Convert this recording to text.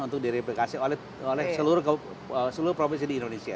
untuk direplikasi oleh seluruh provinsi di indonesia